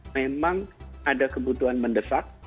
memang ada kebutuhan mendesak